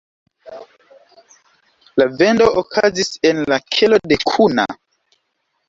La vendo okazis en la kelo de Kuna.